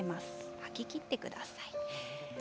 吐ききってください。